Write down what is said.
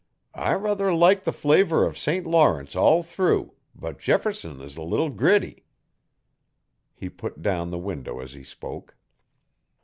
I ruther liked the flavour of Saint Lawrence all through, but Jefferson is a leetle gritty.' He put down the window as he spoke.